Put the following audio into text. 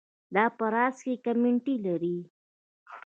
دا په راس کې کمیټې لري.